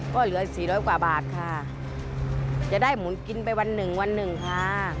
ก็เหลือสี่ร้อยกว่าบาทค่ะจะได้หมุนกินไปวันหนึ่งวันหนึ่งค่ะ